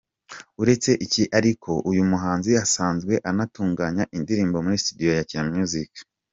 Uretse iki ariko uyu muhanzi asanzwe anatunganya indirimbo muri studio ya Kina Music.